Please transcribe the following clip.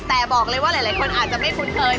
แต่บอกเลยว่าหลายคนอาจจะไม่คุ้นเคย